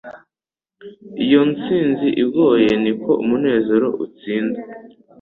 Iyo intsinzi igoye, niko umunezero utsinda.”